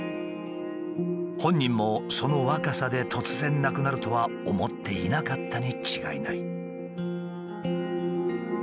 本人もその若さで突然亡くなるとは思っていなかったに違いない。